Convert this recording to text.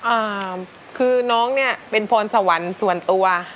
อ่าคือน้องเนี้ยเป็นพรสวรรค์ส่วนตัว